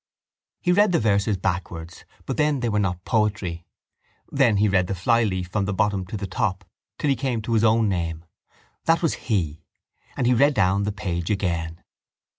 He read the verses backwards but then they were not poetry. Then he read the flyleaf from the bottom to the top till he came to his own name. That was he: and he read down the page again.